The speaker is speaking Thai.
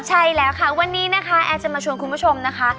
ใช่แล้วค่ะวันนี้นะคะแอนจะมาชวนคุณผู้ชมนะคะ